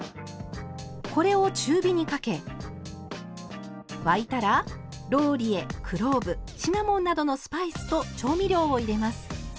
これを中火にかけ沸いたらローリエクローブシナモンなどのスパイスと調味料を入れます。